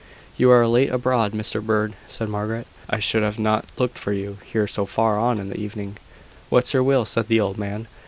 "You are late abroad, Mr Bird," said Margaret. "I should not have looked for you here so far on in the evening." "What's your will?" said the old man.